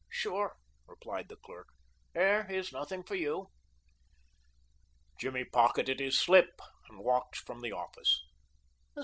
"Sure," replied the clerk. "There is nothing for you." Jimmy pocketed his slip and walked from the office.